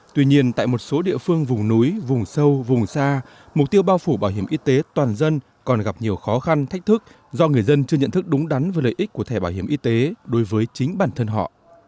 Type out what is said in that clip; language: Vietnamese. tuy nhiên tại một số địa phương vùng núi vùng sâu vùng xa mục tiêu bao phủ bảo hiểm y tế toàn dân còn gặp nhiều khó khăn thách thức do người dân chưa nhận thức đúng đắn về lợi ích của thẻ bảo hiểm y tế đối với chính bản thân họ